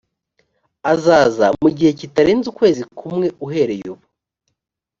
azaza mugihe kitarenze ukwezi kumwe uhereye ubu.